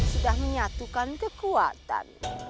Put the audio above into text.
sudah menyatukan kekuatan